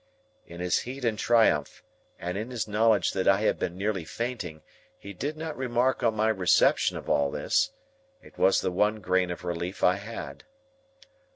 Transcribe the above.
In his heat and triumph, and in his knowledge that I had been nearly fainting, he did not remark on my reception of all this. It was the one grain of relief I had.